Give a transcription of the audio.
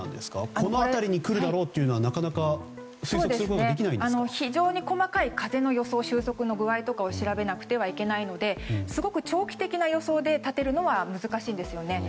この辺りに来るだろうというのはなかなか推測することは非常に細かい風の予想収束の具合を調べなくてはいけないのですごく長期的な予測で立てるのは難しいんですね。